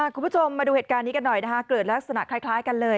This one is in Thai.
คุณผู้ชมมาดูเหตุการณ์นี้กันหน่อยนะคะเกิดลักษณะคล้ายกันเลย